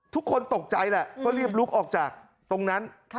ทุกคนตกใจแหละก็รีบลุกออกจากตรงนั้น